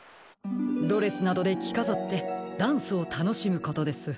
ドレスなどできかざってダンスをたのしむことです。